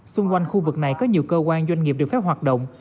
xung quanh khu vực này có nhiều cơ quan doanh nghiệp được phép hoạt động